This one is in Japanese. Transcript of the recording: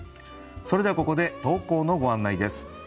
それではここで投稿のご案内です。